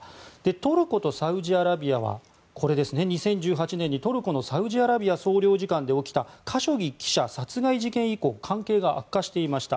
トルコとサウジアラビアはこれ、２０１８年にトルコのサウジアラビア総領事館で起きたカショギ記者殺害事件以降関係が悪化していました。